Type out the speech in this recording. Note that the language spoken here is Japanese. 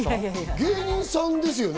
芸人さんですよね？